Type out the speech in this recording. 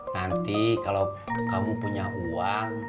nanti kalau kamu punya uang